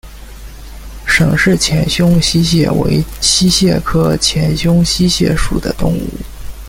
沈氏浅胸溪蟹为溪蟹科浅胸溪蟹属的动物。